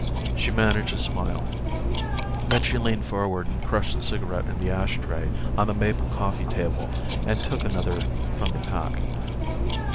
She managed a smile. Then she leaned forward and crushed the cigarette in the ash tray on the maple coffee table and took another from the pack.